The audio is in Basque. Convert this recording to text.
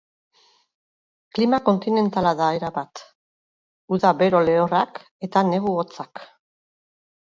Klima kontinentala da erabat: uda bero lehorrak eta negu hotzak.